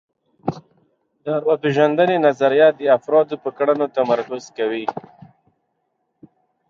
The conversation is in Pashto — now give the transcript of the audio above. د ارواپېژندنې نظریه د افرادو پر کړنو تمرکز کوي